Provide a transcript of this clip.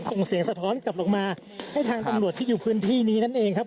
ส่งเสียงสะท้อนกลับลงมาให้ทางตำรวจที่อยู่พื้นที่นี้นั่นเองครับ